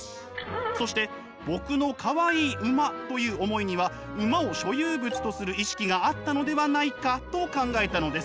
そして「僕のかわいい馬」という思いには馬を所有物とする意識があったのではないかと考えたのです。